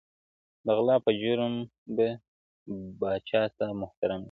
د غلا په جرم به باچاصاحب محترم نيسې